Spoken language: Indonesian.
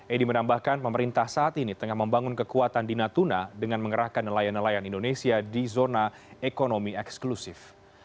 edi menambahkan pemerintah saat ini tengah membangun kekuatan di natuna dengan mengerahkan nelayan nelayan indonesia di zona ekonomi eksklusif